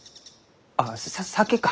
あさ酒か。